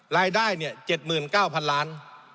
รายได้๗๙๐๐ล้าน